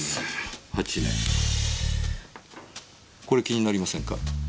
これ気になりませんか？